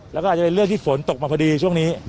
แล้วก็อาจจะเป็นเรื่องที่ฝนตกมาพอดีช่วงนี้